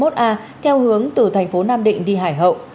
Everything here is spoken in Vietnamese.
theo hướng từ thành phố nam định đi hải hậu